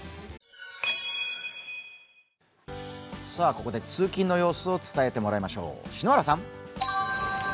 ここで通勤の様子を伝えてもらいましょう。